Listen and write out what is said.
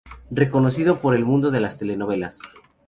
Reconocido por el mundo de las telenovelas.